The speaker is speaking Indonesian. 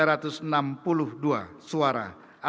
atau lima puluh lima suara